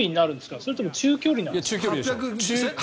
それとも中距離なんですか？